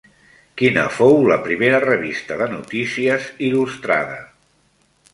Quina fou la primera revista de notícies il·lustrada?